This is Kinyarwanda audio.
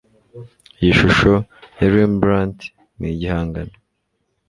Iyi shusho ya Rembrandt ni igihangano.